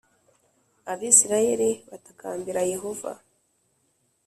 Abisirayeli batakambira Yehova